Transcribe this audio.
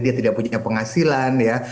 dia tidak punya penghasilan ya